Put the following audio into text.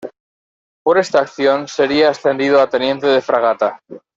Por esta acción sería ascendido a teniente de fragata.